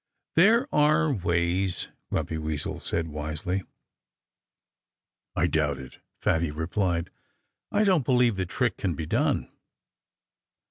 "There are ways," Grumpy Weasel said wisely. "I doubt it," Fatty replied. "I don't believe the trick can be done."